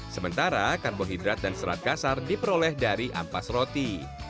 sementara karbohidrat dan serat kasar diperoleh dari ampas roti